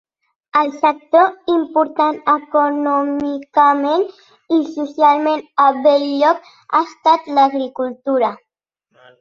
El sector important econòmicament i socialment a Bell-lloc ha estat l'agricultura.